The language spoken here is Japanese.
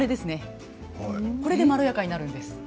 これでまろやかになるんです。